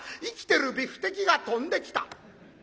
生きてるビフテキが飛んできた。